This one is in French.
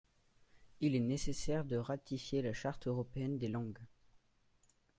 Il est nécessaire de ratifier la Charte européenne des langues.